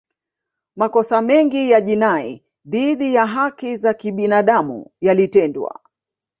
Makosa mengi ya jinai dhidi ya haki za kibinadamu yalitendwa